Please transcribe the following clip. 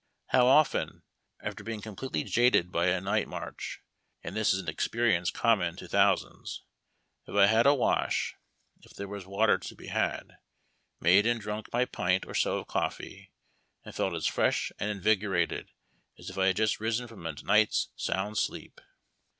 How often, after being completely jaded by a night march, — and this is an experience common to thou sands,— have I had a wash, if there was water to be had, made and drunk my pint or so of coffee, and felt as fresh and invigorated as if just arisen from a night's sound sleep